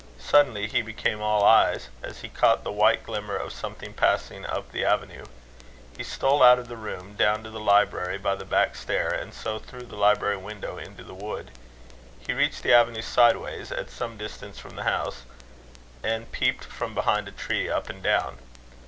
Suddenly he became all eyes, as he caught the white glimmer of something passing up the avenue. He stole out of the room, down to the library by the back stair, and so through the library window into the wood. He reached the avenue sideways, at some distance from the house, and peeped from behind a tree, up and down.